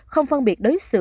không phân biệt đối xử